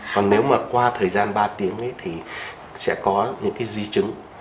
còn nếu mà qua thời gian ba tiếng thì sẽ có những cái di chứng